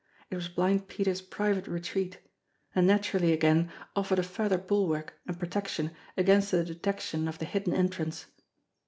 It was Blind Peter's private retreat and naturally again offered a further bulwark and protec tion against the detection of the hidden entrance.